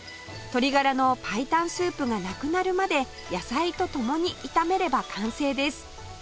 鶏ガラの白湯スープがなくなるまで野菜とともに炒めれば完成です